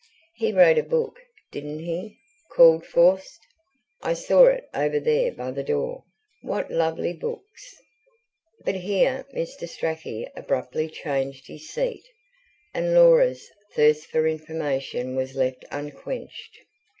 He wrote a book, didn't he, called FAUST? I saw it over there by the door. What lovely books!" But here Mr. Strachey abruptly changed his seat, and Laura's thirst for information was left unquenched.